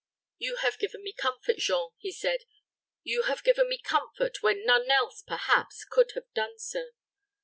"You have given me comfort, Jean," he said; "you have given me comfort, when none else, perhaps, could have done so.